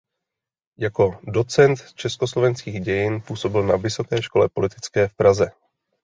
Jako docent československých dějin působil na Vysoké škole politické v Praze.